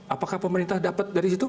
apakah pemerintah dapat dari situ